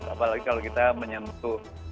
apalagi kalau kita menyentuh